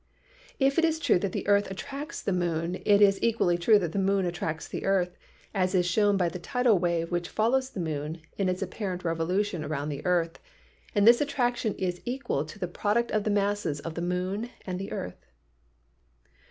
If it is true that the earth attracts the moon, it is equally true that the moon attracts the earth, as is shown by the tidal wave which follows the moon in its apparent revolu tion around the earth, and this attraction is equal to the product of the masses of the moon and the earth.